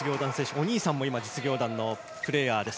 お兄さんも今、実業団のプレーヤーです。